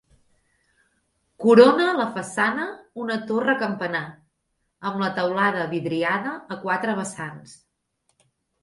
Corona la façana una torre-campanar, amb la teulada vidriada a quatre vessants.